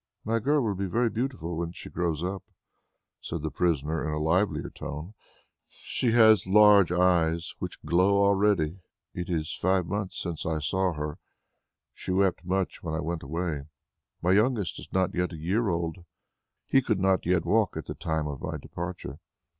"My girl will be very beautiful when she grows up," said the prisoner in a livelier tone. "She has large eyes, which glow already. It is five months since I saw her; she wept much when I went away. My youngest is not yet a year old; he could not yet walk at the time of my departure.